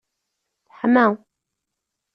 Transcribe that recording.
Teḥma.